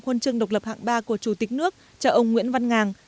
khuôn trương độc lập hạng ba của chủ tịch nước cho ông nguyễn văn ngàng